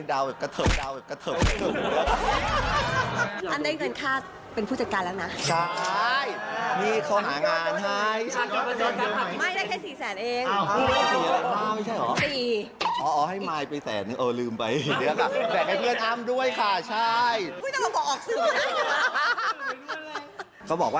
ได้จริงมุ่นเร่งค่ะ